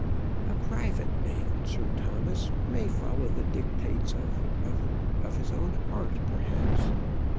"A private man, Sir Thomas, may follow the dictates of of of his own heart, perhaps."